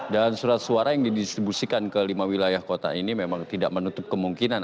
dan surat suara yang didistribusikan ke lima wilayah kota ini memang tidak menutup kemungkinan